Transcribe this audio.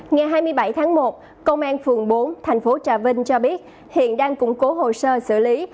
ngày hai mươi bảy tháng một công an phường bốn thành phố trà vinh cho biết hiện đang củng cố hồ sơ xử lý